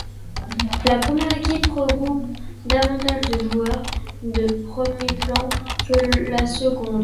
La première équipe regroupe davantage de joueurs de premier plan que la seconde.